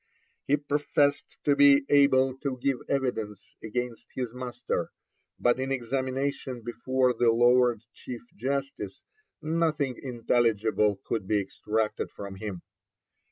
He professed to be able to give evidence against his master, but in examination before the Lord Chief Justice nothing intelligible could be extracted from him.